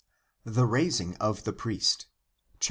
THE RAISING OF THE PRIEST. (Acta pp.